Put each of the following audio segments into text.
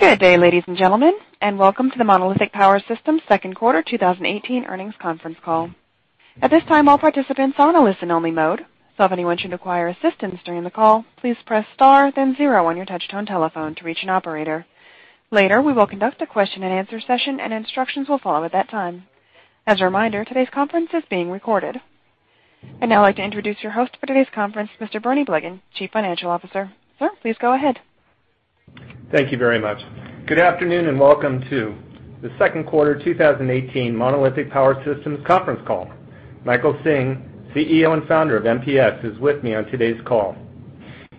Good day, ladies and gentlemen, welcome to the Monolithic Power Systems second quarter 2018 earnings conference call. At this time, all participants are on a listen-only mode. If anyone should require assistance during the call, please press star then zero on your touch-tone telephone to reach an operator. Later, we will conduct a question and answer session, instructions will follow at that time. As a reminder, today's conference is being recorded. I'd now like to introduce your host for today's conference, Mr. Bernie Blegen, Chief Financial Officer. Sir, please go ahead. Thank you very much. Good afternoon and welcome to the second quarter 2018 Monolithic Power Systems conference call. Michael Hsing, CEO and founder of MPS, is with me on today's call.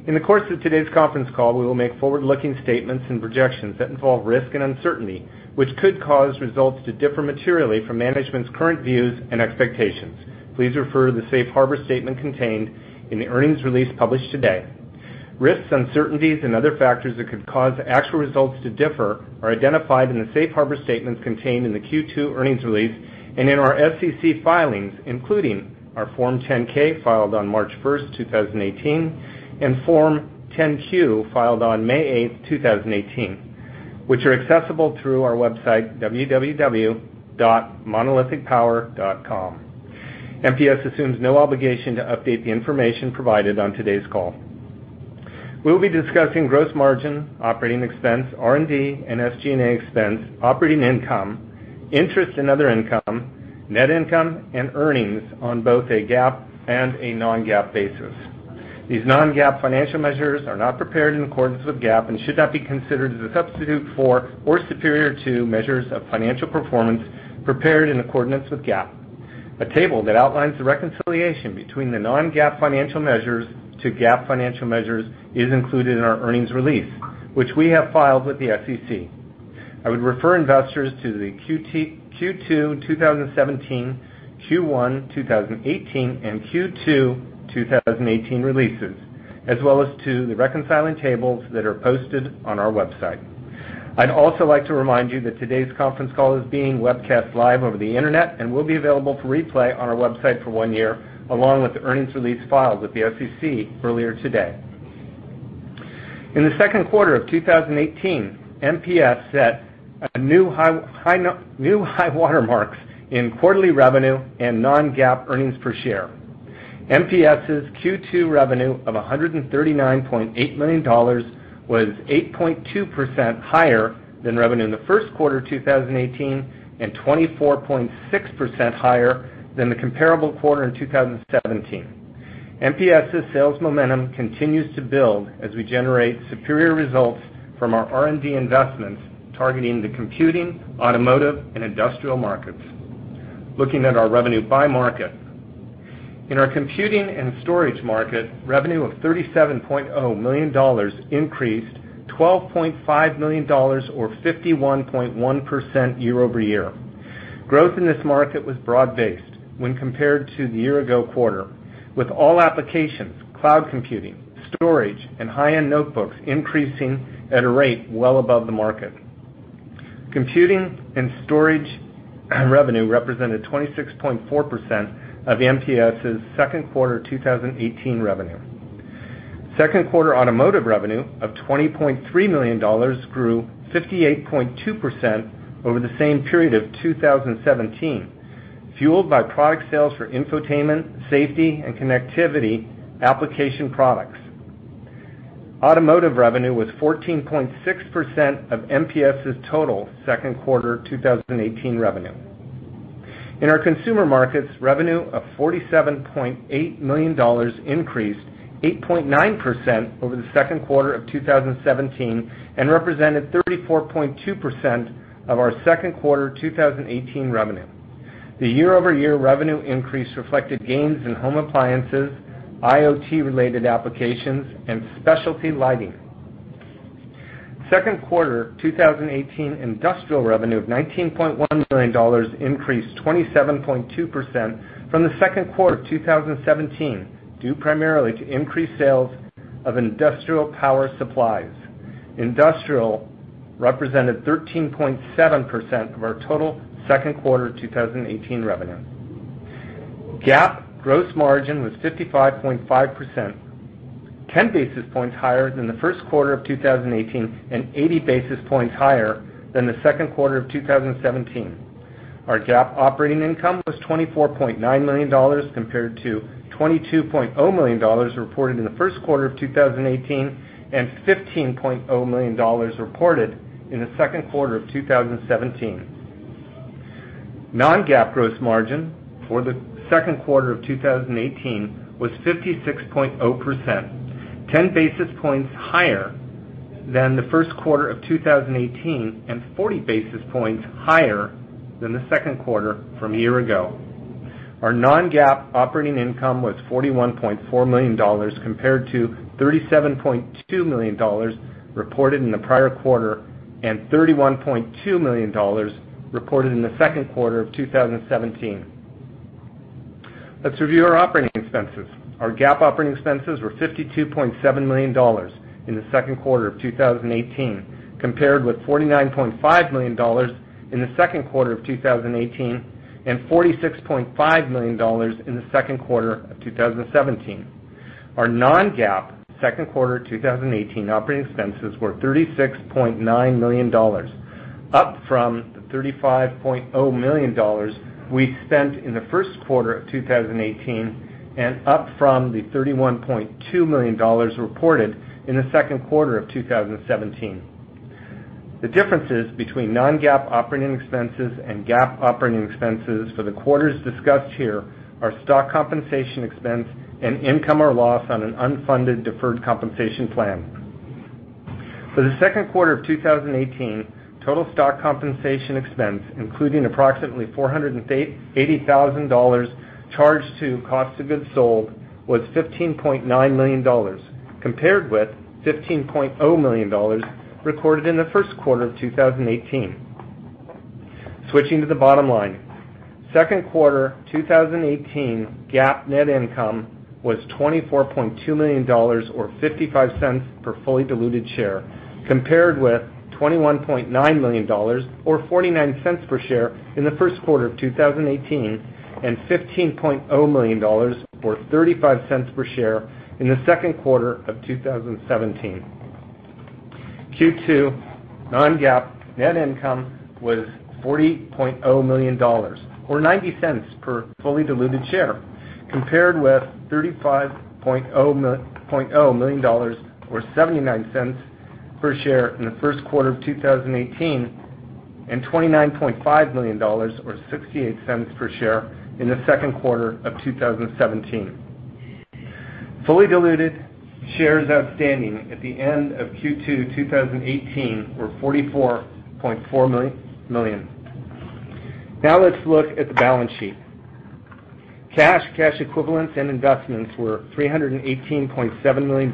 In the course of today's conference call, we will make forward-looking statements and projections that involve risk and uncertainty, which could cause results to differ materially from management's current views and expectations. Please refer to the safe harbor statement contained in the earnings release published today. Risks, uncertainties, and other factors that could cause actual results to differ are identified in the safe harbor statements contained in the Q2 earnings release and in our SEC filings, including our Form 10-K filed on March 1st, 2018, and Form 10-Q filed on May 8th, 2018, which are accessible through our website, www.monolithicpower.com. MPS assumes no obligation to update the information provided on today's call. We will be discussing gross margin, operating expense, R&D and SG&A expense, operating income, interest and other income, net income, and earnings on both a GAAP and a non-GAAP basis. These non-GAAP financial measures are not prepared in accordance with GAAP and should not be considered as a substitute for or superior to measures of financial performance prepared in accordance with GAAP. A table that outlines the reconciliation between the non-GAAP financial measures to GAAP financial measures is included in our earnings release, which we have filed with the SEC. I would refer investors to the Q2 2017, Q1 2018, and Q2 2018 releases, as well as to the reconciling tables that are posted on our website. I'd also like to remind you that today's conference call is being webcast live over the internet and will be available for replay on our website for one year, along with the earnings release filed with the SEC earlier today. In the second quarter of 2018, MPS set new high water marks in quarterly revenue and non-GAAP earnings per share. MPS's Q2 revenue of $139.8 million was 8.2% higher than revenue in the first quarter 2018, 24.6% higher than the comparable quarter in 2017. MPS's sales momentum continues to build as we generate superior results from our R&D investments targeting the computing, automotive, and industrial markets. Looking at our revenue by market. In our computing and storage market, revenue of $37.0 million increased $12.5 million or 51.1% year-over-year. Growth in this market was broad-based when compared to the year-ago quarter, with all applications, cloud computing, storage, and high-end notebooks increasing at a rate well above the market. Computing and storage revenue represented 26.4% of MPS's second quarter 2018 revenue. Second quarter automotive revenue of $20.3 million grew 58.2% over the same period of 2017, fueled by product sales for infotainment, safety, and connectivity application products. Automotive revenue was 14.6% of MPS's total second quarter 2018 revenue. In our consumer markets, revenue of $47.8 million increased 8.9% over the second quarter of 2017 and represented 34.2% of our second quarter 2018 revenue. The year-over-year revenue increase reflected gains in home appliances, IoT-related applications, and specialty lighting. Second quarter 2018 industrial revenue of $19.1 million increased 27.2% from the second quarter of 2017, due primarily to increased sales of industrial power supplies. Industrial represented 13.7% of our total second quarter 2018 revenue. GAAP gross margin was 55.5%, 10 basis points higher than the first quarter of 2018 and 80 basis points higher than the second quarter of 2017. Our GAAP operating income was $24.9 million compared to $22.0 million reported in the first quarter of 2018 and $15.0 million reported in the second quarter of 2017. non-GAAP gross margin for the second quarter of 2018 was 56.0%, 10 basis points higher than the first quarter of 2018 and 40 basis points higher than the second quarter from a year ago. Our non-GAAP operating income was $41.4 million compared to $37.2 million reported in the prior quarter and $31.2 million reported in the second quarter of 2017. Let's review our operating expenses. Our GAAP operating expenses were $52.7 million in the second quarter of 2018, compared with $49.5 million in the second quarter of 2018 and $46.5 million in the second quarter of 2017. Our non-GAAP second quarter 2018 operating expenses were $36.9 million, up from the $35.0 million we spent in the first quarter of 2018, and up from the $31.2 million reported in the second quarter of 2017. The differences between non-GAAP operating expenses and GAAP operating expenses for the quarters discussed here are stock compensation expense and income or loss on an unfunded deferred compensation plan. For the second quarter of 2018, total stock compensation expense, including approximately $480,000 charged to cost of goods sold, was $15.9 million, compared with $15.0 million recorded in the first quarter of 2018. Switching to the bottom line, second quarter 2018 GAAP net income was $24.2 million or $0.55 per fully diluted share, compared with $21.9 million or $0.49 per share in the first quarter of 2018, and $15.0 million or $0.35 per share in the second quarter of 2017. Q2 non-GAAP net income was $40.0 million or $0.90 per fully diluted share, compared with $35.0 million or $0.79 per share in the first quarter of 2018, and $29.5 million or $0.68 per share in the second quarter of 2017. Fully diluted shares outstanding at the end of Q2 2018 were 44.4 million. Now let's look at the balance sheet. Cash, cash equivalents, and investments were $318.7 million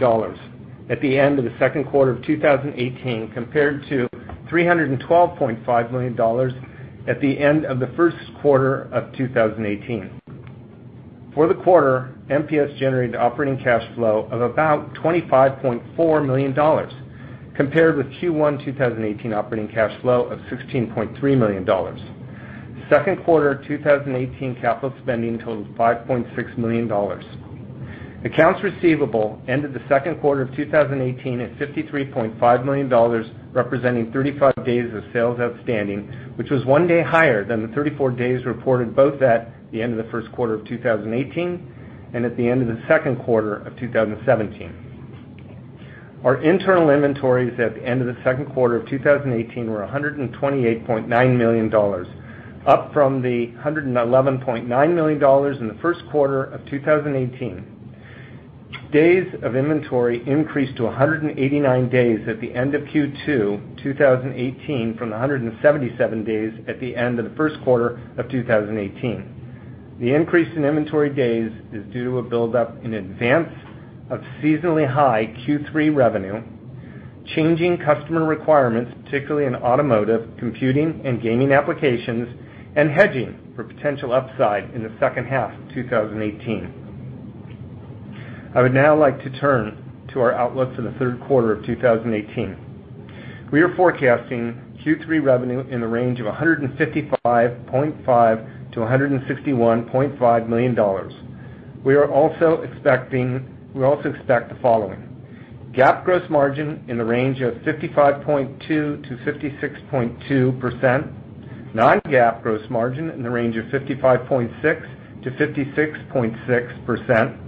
at the end of the second quarter of 2018 compared to $312.5 million at the end of the first quarter of 2018. For the quarter, MPS generated operating cash flow of about $25.4 million compared with Q1 2018 operating cash flow of $16.3 million. Second quarter 2018 capital spending totaled $5.6 million. Accounts receivable ended the second quarter of 2018 at $53.5 million, representing 35 days of sales outstanding, which was one day higher than the 34 days reported both at the end of the first quarter of 2018 and at the end of the second quarter of 2017. Our internal inventories at the end of the second quarter of 2018 were $128.9 million, up from the $111.9 million in the first quarter of 2018. Days of inventory increased to 189 days at the end of Q2 2018 from the 177 days at the end of the first quarter of 2018. The increase in inventory days is due to a buildup in advance of seasonally high Q3 revenue, changing customer requirements, particularly in automotive, computing, and gaming applications, and hedging for potential upside in the second half of 2018. I would now like to turn to our outlook for the third quarter of 2018. We are forecasting Q3 revenue in the range of $155.5 million-$161.5 million. We also expect the following: GAAP gross margin in the range of 55.2%-56.2%, non-GAAP gross margin in the range of 55.6%-56.6%,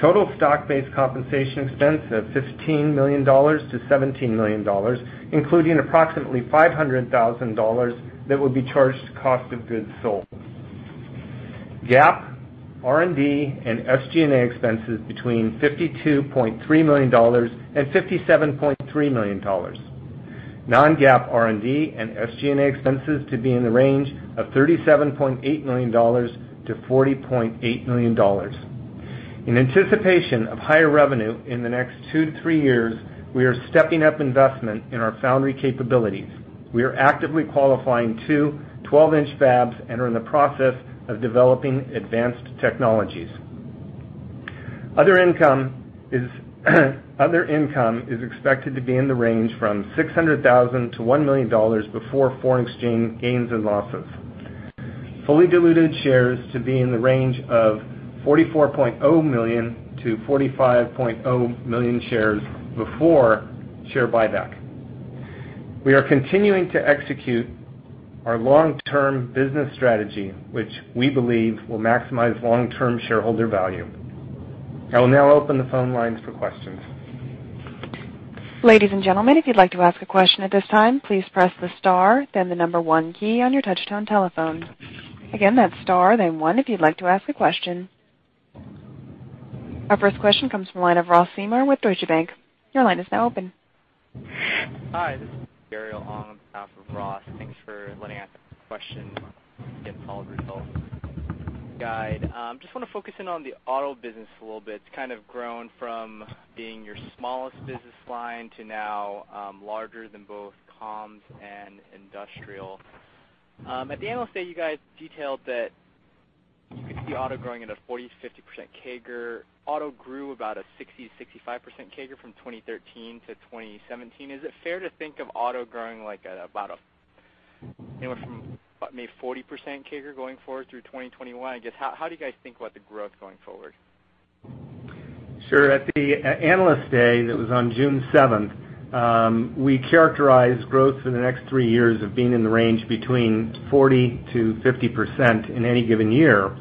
total stock-based compensation expense of $15 million-$17 million, including approximately $500,000 that will be charged to cost of goods sold. GAAP R&D and SG&A expenses between $52.3 million and $57.3 million. Non-GAAP R&D and SG&A expenses to be in the range of $37.8 million-$40.8 million. In anticipation of higher revenue in the next two to three years, we are stepping up investment in our foundry capabilities. We are actively qualifying two 12-inch fabs and are in the process of developing advanced technologies. Other income is expected to be in the range from $600,000-$1 million before foreign exchange gains and losses. Fully diluted shares to be in the range of 44.0 million-45.0 million shares before share buyback. We are continuing to execute our long-term business strategy, which we believe will maximize long-term shareholder value. I will now open the phone lines for questions. Ladies and gentlemen, if you'd like to ask a question at this time, please press the star then the number one key on your touchtone telephone. Again, that's star then one if you'd like to ask a question. Our first question comes from the line of Ross Seymore with Deutsche Bank. Your line is now open. Hi, this is Gabriel Ong on behalf of Ross. Thanks for letting me ask a question results guide. Just want to focus in on the auto business a little bit. It's kind of grown from being your smallest business line to now larger than both comms and industrial. At the analyst day, you guys detailed that you could see auto growing at a 40%-50% CAGR. Auto grew about a 60%-65% CAGR from 2013-2017. Is it fair to think of auto growing at about a Anyone from, what, maybe 40% CAGR going forward through 2021? I guess, how do you guys think about the growth going forward? Sure. At the analyst day that was on June 7th, we characterized growth for the next three years of being in the range between 40%-50% in any given year,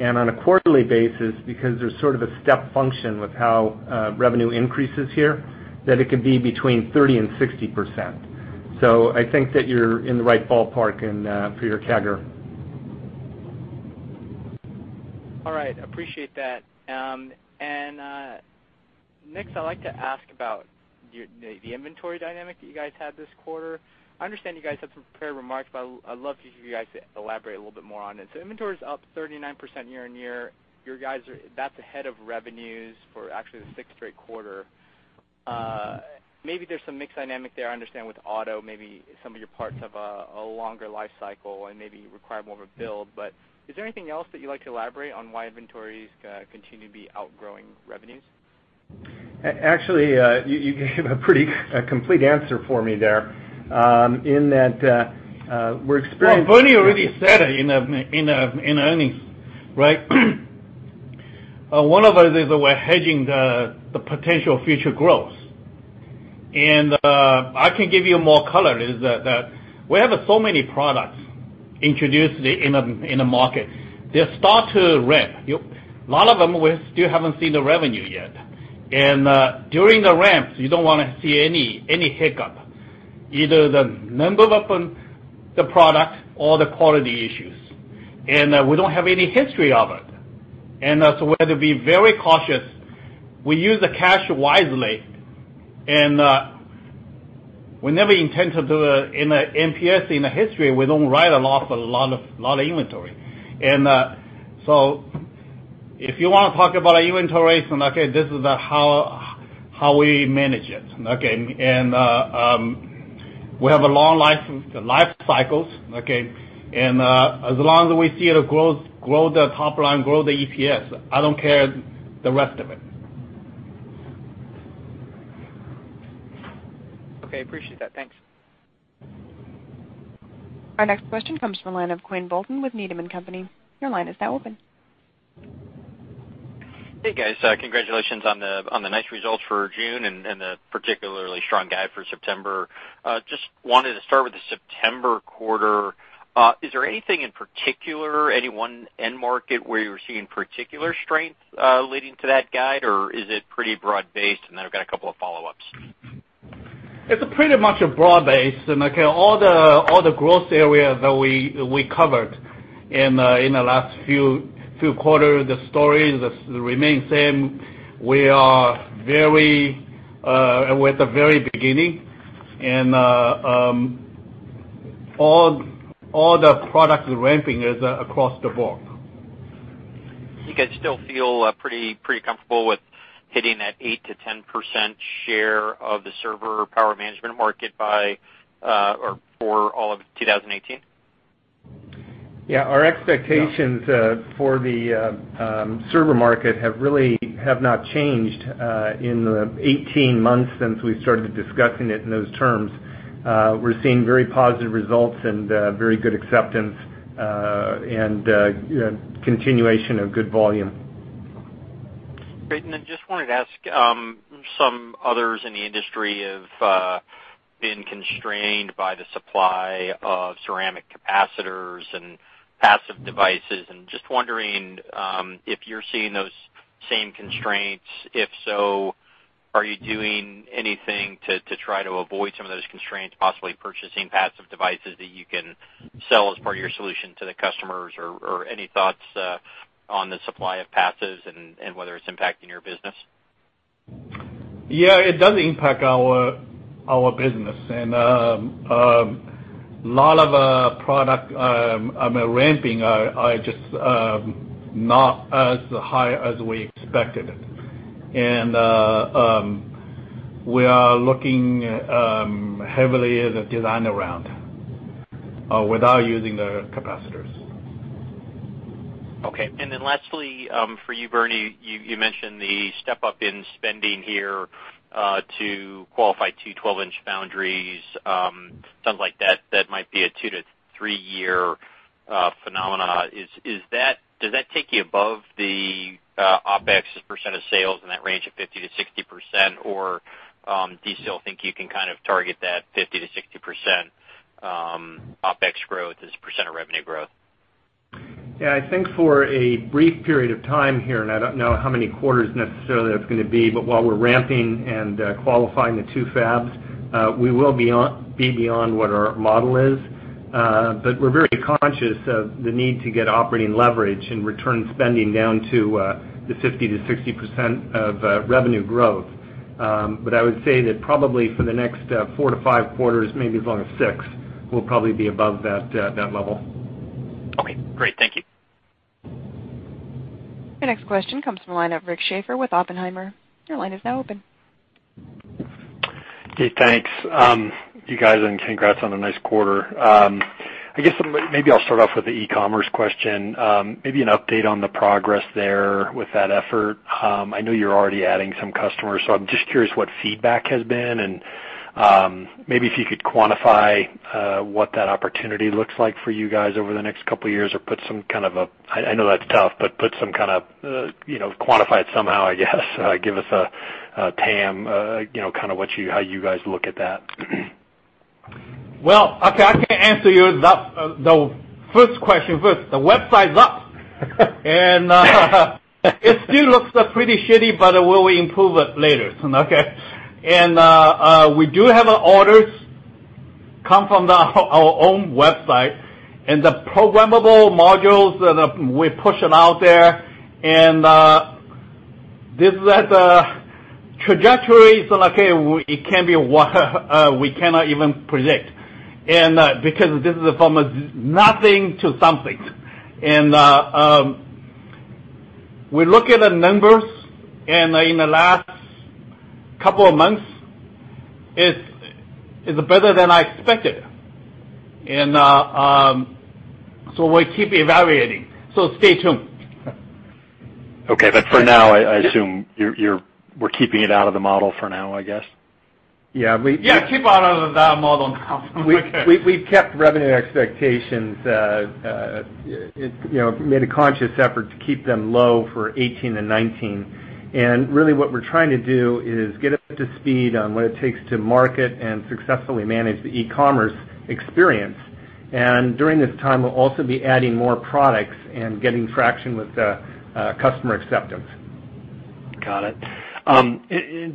and on a quarterly basis, because there's sort of a step function with how revenue increases here, that it could be between 30% and 60%. I think that you're in the right ballpark for your CAGR. All right. Appreciate that. Next, I'd like to ask about the inventory dynamic that you guys had this quarter. I understand you guys have some prepared remarks, but I'd love for you guys to elaborate a little bit more on it. Inventory's up 39% year-on-year. That's ahead of revenues for actually the sixth straight quarter. Maybe there's some mix dynamic there. I understand with auto, maybe some of your parts have a longer life cycle and maybe require more of a build. Is there anything else that you'd like to elaborate on why inventories continue to be outgrowing revenues? Actually, you gave a pretty complete answer for me there, in that, we're experiencing- Well, Bernie already said it in the earnings, right? One of it is that we're hedging the potential future growth. I can give you more color, is that we have so many products introduced in the market. They start to ramp. A lot of them, we still haven't seen the revenue yet. During the ramps, you don't want to see any hiccup, either the number of the product or the quality issues. We don't have any history of it. So we have to be very cautious. We use the cash wisely, and we never intend to do, in MPS, in the history, we don't write off a lot of inventory. So if you want to talk about our inventory, okay, this is how we manage it. Okay. We have long life cycles. Okay. As long as we see the growth, grow the top line, grow the EPS, I don't care the rest of it. Okay. Appreciate that. Thanks. Our next question comes from the line of Quinn Bolton with Needham and Company. Your line is now open. Hey, guys. Congratulations on the nice results for June and the particularly strong guide for September. Just wanted to start with the September quarter. Is there anything in particular, any one end market where you're seeing particular strength, leading to that guide, or is it pretty broad-based? Then I've got a couple of follow-ups. It's pretty much broad-based, all the growth areas that we covered in the last few quarters, the story remains the same. We're at the very beginning, and all the product ramping is across the board. You guys still feel pretty comfortable with hitting that 8%-10% share of the server power management market for all of 2018? Yeah. Our expectations for the server market have not changed in the 18 months since we started discussing it in those terms. We're seeing very positive results and very good acceptance, and continuation of good volume. Great. Then just wanted to ask, some others in the industry have been constrained by the supply of ceramic capacitors and passive devices and just wondering if you're seeing those same constraints. If so, are you doing anything to try to avoid some of those constraints, possibly purchasing passive devices that you can sell as part of your solution to the customers, or any thoughts on the supply of passives and whether it's impacting your business? Yeah, it does impact our business. Lot of product ramping are just not as high as we expected it. We are looking heavily at the design around, without using the capacitors. Okay. Then lastly, for you, Bernie, you mentioned the step-up in spending here to qualify two 12-inch foundries. Sounds like that might be a two to three-year phenomenon. Does that take you above the OpEx as a percent of sales in that range of 50%-60%, or do you still think you can kind of target that 50%-60% OpEx growth as a percent of revenue growth? Yeah, I think for a brief period of time here, I don't know how many quarters necessarily that's going to be, but while we're ramping and qualifying the two fabs, we will be beyond what our model is. We're very conscious of the need to get operating leverage and return spending down to the 50%-60% of revenue growth. I would say that probably for the next four to five quarters, maybe as long as six, we'll probably be above that level. Okay, great. Thank you. Your next question comes from the line of Rick Schafer with Oppenheimer. Your line is now open. Okay, thanks. You guys, congrats on a nice quarter. I guess maybe I'll start off with the e-commerce question. Maybe an update on the progress there with that effort. I know you're already adding some customers, I'm just curious what feedback has been, maybe if you could quantify what that opportunity looks like for you guys over the next couple of years or put some kind of, I know that's tough, but put some kind of, quantify it somehow, I guess, give us a TAM, kind of how you guys look at that. Well, okay, I can answer you the first question first. The website's up. It still looks pretty shitty, but we will improve it later. We do have orders come from our own website, and the programmable modules, we push them out there. This is at trajectories, and okay, it can be what we cannot even predict. Because this is from nothing to something. We look at the numbers, and in the last couple of months, it's better than I expected. We keep evaluating. Stay tuned. Okay. For now, I assume we're keeping it out of the model for now, I guess. Yeah. Yeah. Keep out of the model now. We've kept revenue expectations, made a conscious effort to keep them low for 2018 and 2019. Really what we're trying to do is get up to speed on what it takes to market and successfully manage the e-commerce experience. During this time, we'll also be adding more products and getting traction with customer acceptance. Got it.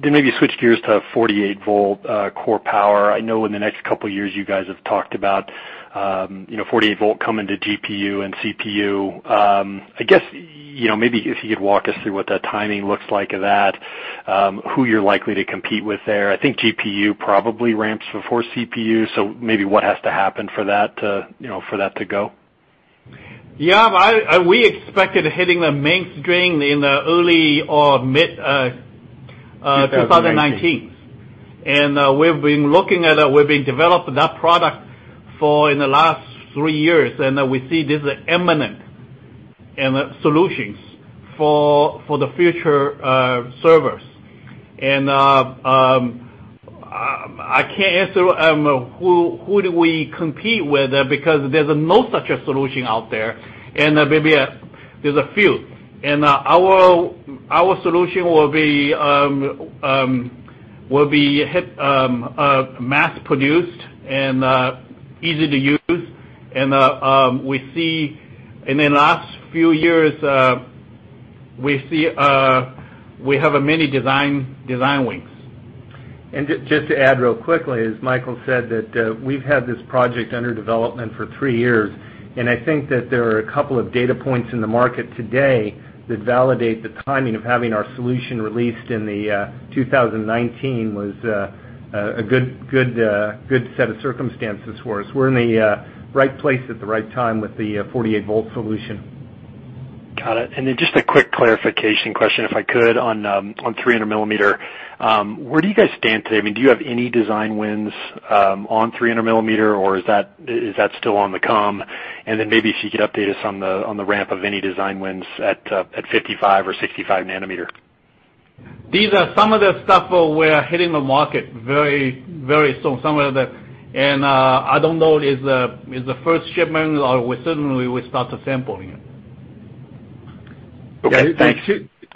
Maybe switch gears to 48V core power. I know in the next couple of years, you guys have talked about 48V coming to GPU and CPU. I guess, maybe if you could walk us through what that timing looks like of that, who you're likely to compete with there. I think GPU probably ramps before CPU, so maybe what has to happen for that to go. Yeah. We expected hitting the mainstream in the early or mid- 2019 2019. We've been looking at it. We've been developing that product for the last three years, we see this as imminent in solutions for the future servers. I can't answer who do we compete with because there's no such solution out there. Maybe there's a few. Our solution will be mass-produced and easy to use. In the last few years, we have many design wins. Just to add real quickly, as Michael said, that we've had this project under development for three years, I think that there are a couple of data points in the market today that validate the timing of having our solution released in 2019 was a good set of circumstances for us. We're in the right place at the right time with the 48V solution. Got it. Just a quick clarification question, if I could, on 300 millimeter. Where do you guys stand today? Do you have any design wins on 300 millimeter, or is that still on the come? Maybe if you could update us on the ramp of any design wins at 55 or 65 nanometer. These are some of the stuff we're hitting the market very soon. I don't know, is the first shipment, or certainly we start sampling it. Okay. Thanks.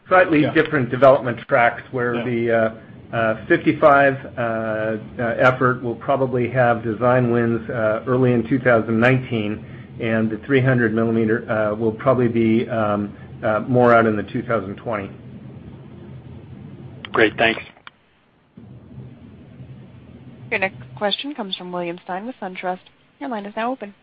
Slightly different development tracks where the 55 effort will probably have design wins early in 2019, and the 300 millimeter will probably be more out in 2020. Great. Thanks. Your next question comes from William Stein with SunTrust. Your line is now open.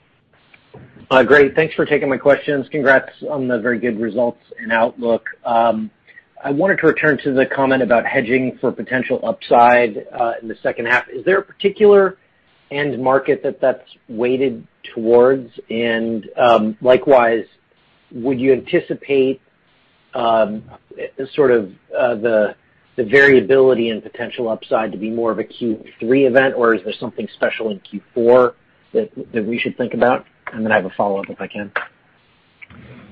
Great. Thanks for taking my questions. Congrats on the very good results and outlook. I wanted to return to the comment about hedging for potential upside in the second half. Is there a particular end market that that's weighted towards? Likewise, would you anticipate sort of the variability and potential upside to be more of a Q3 event, or is there something special in Q4 that we should think about? Then I have a follow-up, if I can.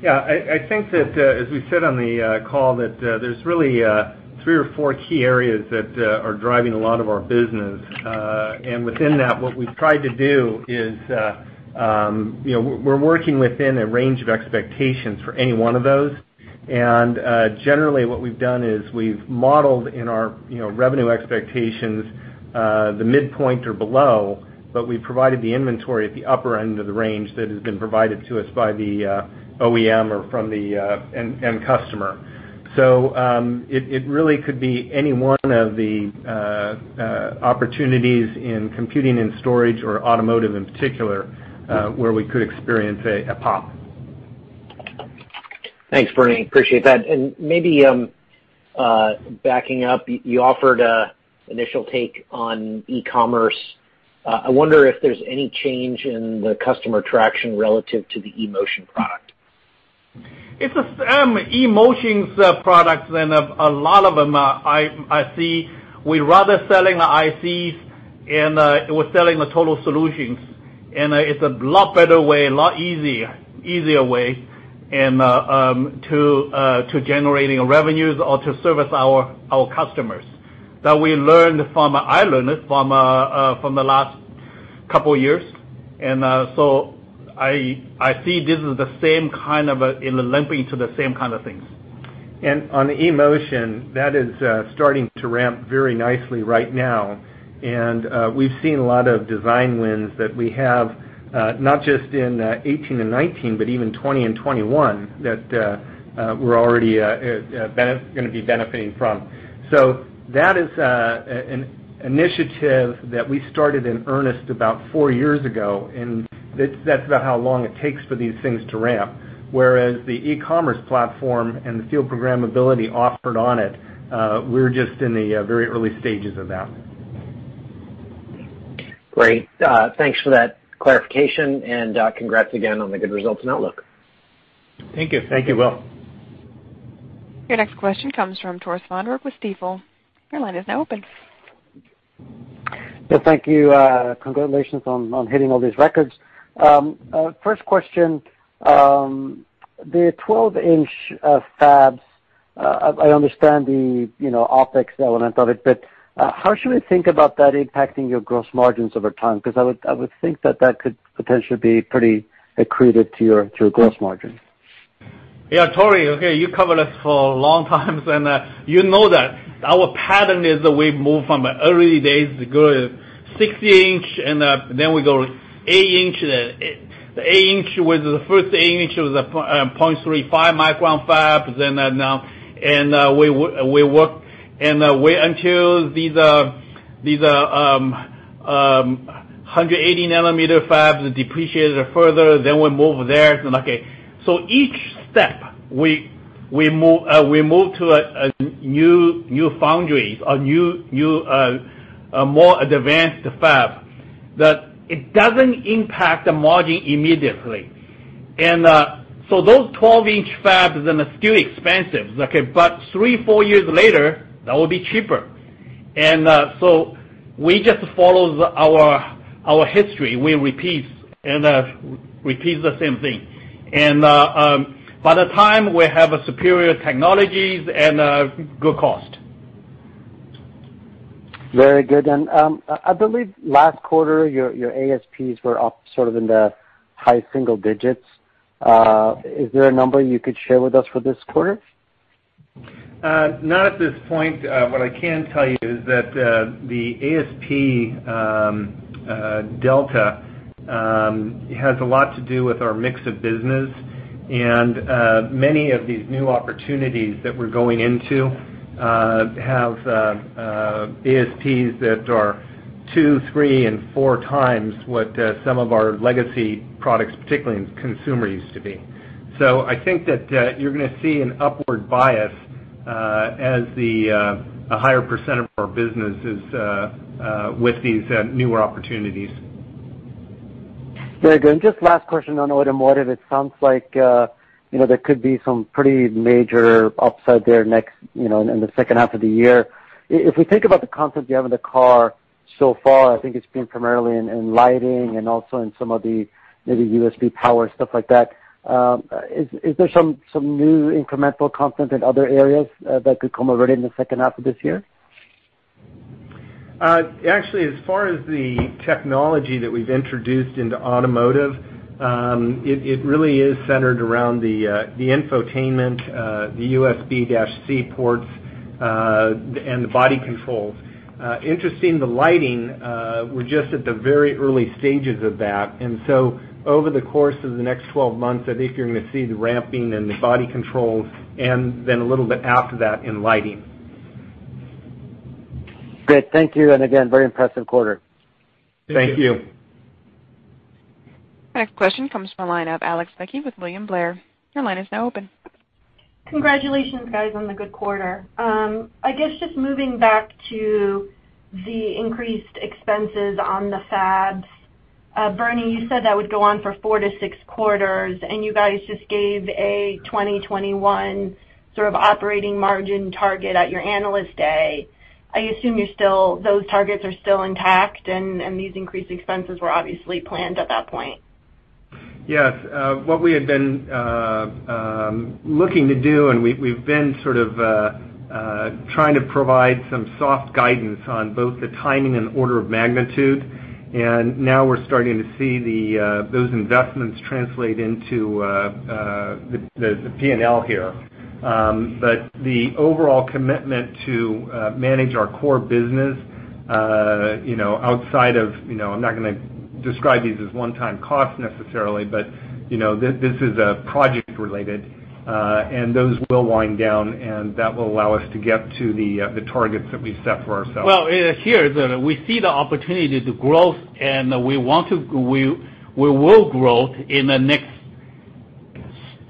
Yeah. I think that, as we said on the call, that there's really three or four key areas that are driving a lot of our business. Within that, what we've tried to do is, we're working within a range of expectations for any one of those. Generally, what we've done is we've modeled in our revenue expectations, the midpoint or below, but we've provided the inventory at the upper end of the range that has been provided to us by the OEM or from the end customer. It really could be any one of the opportunities in computing and storage or automotive in particular, where we could experience a pop. Thanks, Bernie. Appreciate that. Maybe backing up, you offered an initial take on e-commerce. I wonder if there's any change in the customer traction relative to the eMotion product. It's the same eMotion products and a lot of them I see, we're rather selling the ICs, and we're selling the total solutions. It's a lot better way, a lot easier way to generating revenues or to service our customers. I learned it from the last couple of years. I see this is the same kind of it'll lead me to the same kind of things. On the eMotion, that is starting to ramp very nicely right now. We've seen a lot of design wins that we have, not just in 2018 and 2019, but even 2020 and 2021, that we're already going to be benefiting from. That is an initiative that we started in earnest about four years ago, and that's about how long it takes for these things to ramp. Whereas the e-commerce platform and the field programmability offered on it, we're just in the very early stages of that. Great. Thanks for that clarification. Congrats again on the good results and outlook. Thank you. Thank you, Will. Your next question comes from Tore Svanberg with Stifel. Your line is now open. Yeah, thank you. Congratulations on hitting all these records. First question, the 12-inch fabs, I understand the OpEx element of it, how should we think about that impacting your gross margins over time? I would think that that could potentially be pretty accretive to your gross margin. Tore. You covered us for a long time and you know that our pattern is that we move from the early days, the good 6-inch, then we go eight-inch. The eight-inch was the first eight-inch. It was a 0.35 micron fabs then and now. We work and wait until these 180 nanometer fabs depreciated further, then we move there. Each step we move to a new foundry, a more advanced fab, that it doesn't impact the margin immediately. Those 12-inch fabs, and they're still expensive, okay, but three, four years later, that will be cheaper. We just follow our history. We repeat the same thing. By the time we have superior technologies and good cost. Very good. I believe last quarter, your ASPs were up sort of in the high single digits. Is there a number you could share with us for this quarter? Not at this point. What I can tell you is that the ASP delta has a lot to do with our mix of business and many of these new opportunities that we're going into have ASPs that are two, three, and four times what some of our legacy products, particularly in consumer, used to be. I think that you're going to see an upward bias as the higher % of our business is with these newer opportunities. Very good. Just last question on automotive. It sounds like there could be some pretty major upside there in the second half of the year. If we think about the content you have in the car so far, I think it's been primarily in lighting and also in some of the maybe USB power stuff like that. Is there some new incremental content in other areas that could come already in the second half of this year? Actually, as far as the technology that we've introduced into automotive, it really is centered around the infotainment, the USB-C ports, and the body controls. Interesting, the lighting, we're just at the very early stages of that. Over the course of the next 12 months, I think you're going to see the ramping and the body controls and then a little bit after that in lighting. Great. Thank you. Again, very impressive quarter. Thank you. Next question comes from the line of Alex Becky with William Blair. Your line is now open. Congratulations, guys, on the good quarter. I guess just moving back to the increased expenses on the fabs. Bernie, you said that would go on for 4 to 6 quarters. You guys just gave a 2021 sort of operating margin target at your Analyst Day. I assume those targets are still intact and these increased expenses were obviously planned at that point. Yes. What we had been looking to do, and we've been sort of trying to provide some soft guidance on both the timing and order of magnitude. Now we're starting to see those investments translate into the P&L here. The overall commitment to manage our core business, outside of, I'm not going to describe these as one-time costs necessarily, but this is project related, and those will wind down, and that will allow us to get to the targets that we set for ourselves. Well, here, we see the opportunity to growth, and we will growth in the next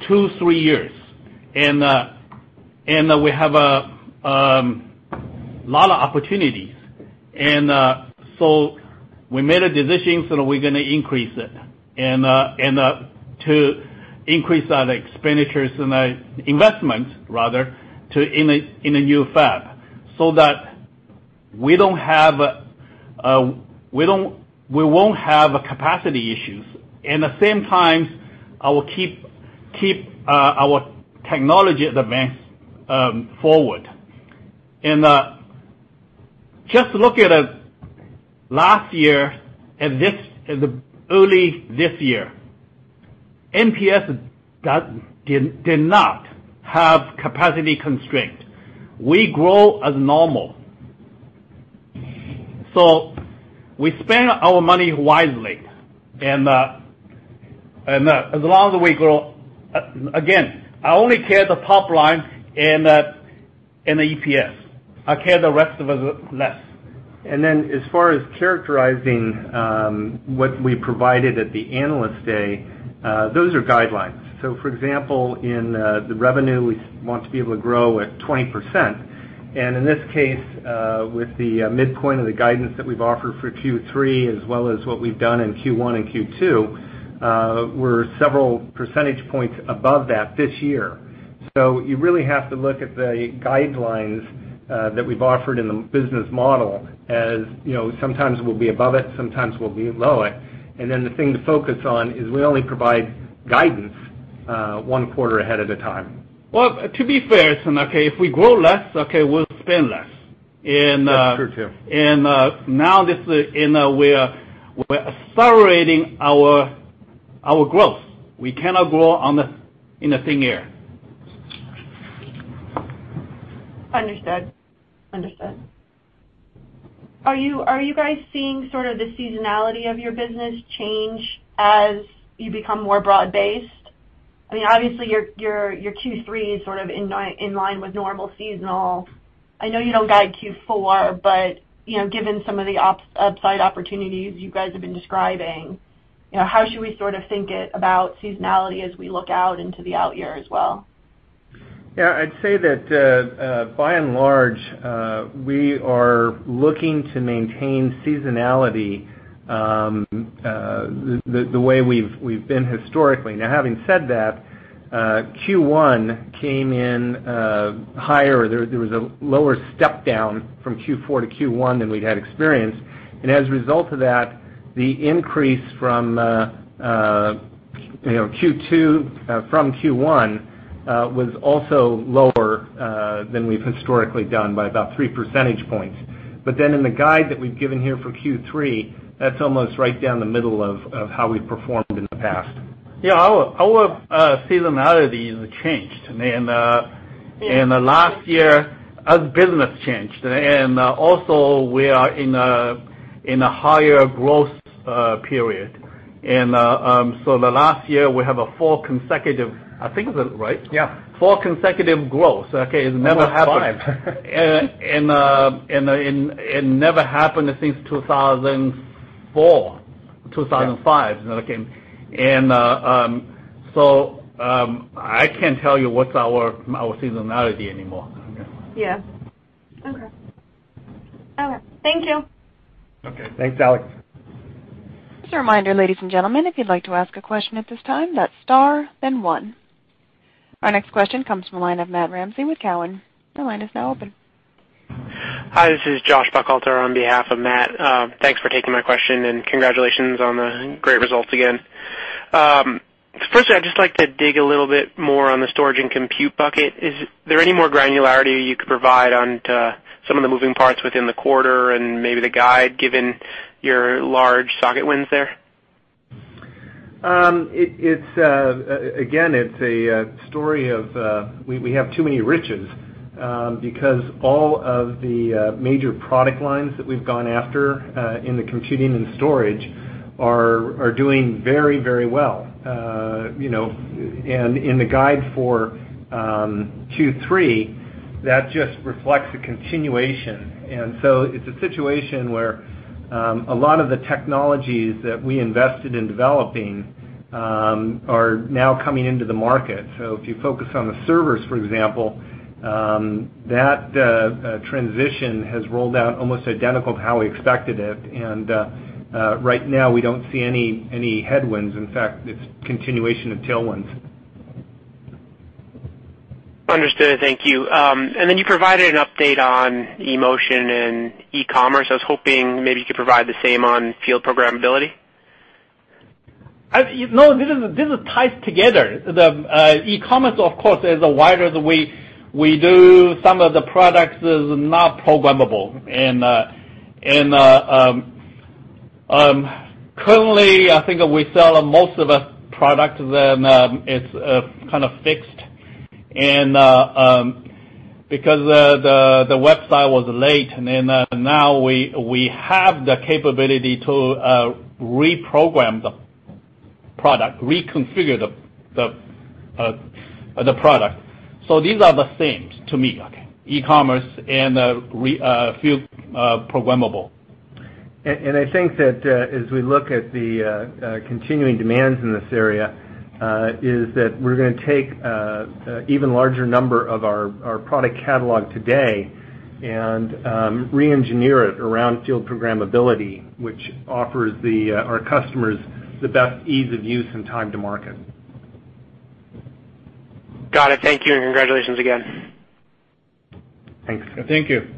2, 3 years. We have a lot of opportunities. We made a decision, so we're going to increase it and to increase our expenditures and our investment rather in a new fab, so that we won't have capacity issues and at the same time, our technology advance forward. Just look at last year and early this year, MPS did not have capacity constraint. We grow as normal. We spend our money wisely. As long as we grow, I only care the top line and the EPS. I care the rest of it less. As far as characterizing what we provided at the Analyst Day, those are guidelines. For example, in the revenue, we want to be able to grow at 20%. In this case, with the midpoint of the guidance that we've offered for Q3 as well as what we've done in Q1 and Q2, we're several percentage points above that this year. You really have to look at the guidelines that we've offered in the business model. Sometimes we'll be above it, sometimes we'll be below it. The thing to focus on is we only provide guidance 1 quarter ahead at a time. Well, to be fair, if we grow less, okay, we'll spend less. That's true, too. Now we're accelerating our growth. We cannot grow in a thin air. Understood. Are you guys seeing sort of the seasonality of your business change as you become more broad-based? Obviously, your Q3 is sort of in line with normal seasonal. I know you don't guide Q4, but given some of the upside opportunities you guys have been describing, how should we sort of think about seasonality as we look out into the out year as well? I'd say that by and large, we are looking to maintain seasonality the way we've been historically. Having said that, Q1 came in higher. There was a lower step down from Q4 to Q1 than we'd had experienced. As a result of that, the increase from Q2 from Q1 was also lower than we've historically done by about three percentage points. In the guide that we've given here for Q3, that's almost right down the middle of how we've performed in the past. Our seasonality changed. Last year, our business changed. Also we are in a higher growth period. The last year we have a four consecutive, I think it is, right? Yeah. Four consecutive growth. It never happened. Almost five. It never happened since 2004, 2005. I can't tell you what's our seasonality anymore. Yeah. Okay. All right. Thank you. Okay. Thanks, Alex. Just a reminder, ladies and gentlemen, if you'd like to ask a question at this time, that's star then one. Our next question comes from the line of Matthew Ramsay with Cowen. Your line is now open. Hi, this is Joshua Buchalter on behalf of Matt. Thanks for taking my question and congratulations on the great results again. I'd just like to dig a little bit more on the storage and compute bucket. Is there any more granularity you could provide on some of the moving parts within the quarter and maybe the guide, given your large socket wins there? It's a story of we have too many riches, because all of the major product lines that we've gone after in the computing and storage are doing very well. In the guide for Q3, that just reflects a continuation. It's a situation where a lot of the technologies that we invested in developing are now coming into the market. If you focus on the servers, for example, that transition has rolled out almost identical to how we expected it, and right now we don't see any headwinds. In fact, it's continuation of tailwinds. Understood. Thank you. You provided an update on eMotion and e-commerce. I was hoping maybe you could provide the same on field programmability. This is tied together. The e-commerce, of course, is wider. We do some of the products is not programmable. Currently, I think we sell most of the product, then it's kind of fixed and because the website was late, and now we have the capability to reprogram the product, reconfigure the product. These are the same to me, okay, e-commerce and field programmable. I think that as we look at the continuing demands in this area, is that we're going to take even larger number of our product catalog today and re-engineer it around field programmability, which offers our customers the best ease of use and time to market. Got it. Thank you, and congratulations again. Thanks. Thank you.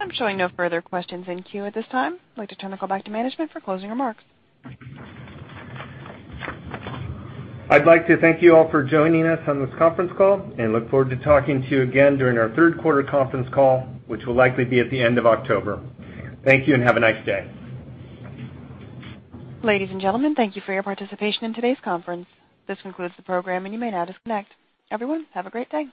I'm showing no further questions in queue at this time. I'd like to turn the call back to management for closing remarks. I'd like to thank you all for joining us on this conference call, and look forward to talking to you again during our third quarter conference call, which will likely be at the end of October. Thank you and have a nice day. Ladies and gentlemen, thank you for your participation in today's conference. This concludes the program, and you may now disconnect. Everyone, have a great day.